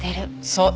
そう。